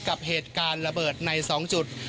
กับเหตุการณ์ระเบิดใน๒จุด